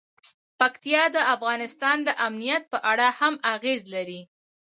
پکتیا د افغانستان د امنیت په اړه هم اغېز لري.